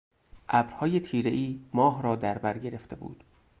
ابرهای تیرهای ماه را دربر گرفته بود